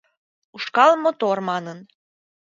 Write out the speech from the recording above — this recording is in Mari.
Ушкал мотор манын